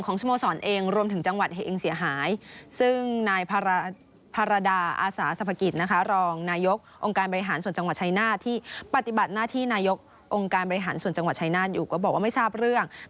ก็บอกว่าไม่ทราบเรื่อง